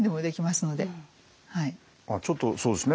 ちょっとそうですね